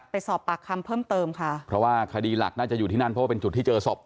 ไปสอบปากคำเพิ่มเติมค่ะเพราะว่าคดีหลักน่าจะอยู่ที่นั่นเพราะว่าเป็นจุดที่เจอศพ